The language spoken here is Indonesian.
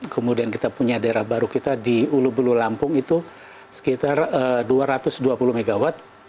kemudian kita punya daerah baru kita di ulubulu lampung itu sekitar dua ratus dua puluh mw